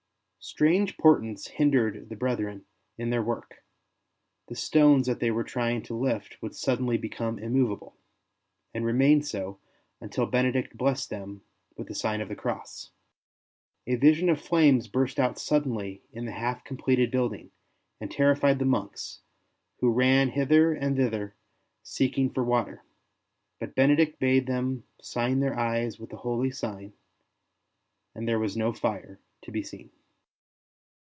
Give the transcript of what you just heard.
Strange portents hindered the brethren in their work; the stones that they were trying to lift would suddenly become immovable, and remained so until Benedict blessed them with the sign of the Cross. A vision of flames burst out suddenly in the half completed building and terrified the monks, who ran hither and thither seeking for water; but Benedict bade them sign their eyes with the holy sign, and there was no fire to be seen.